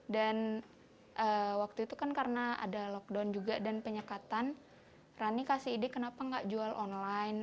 dan waktu itu kan karena ada lockdown juga dan penyekatan rani kasih ide kenapa enggak jual online